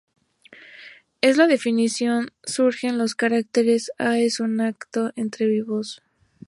De la definición surgen los caracteres: a- Es un acto entre vivos.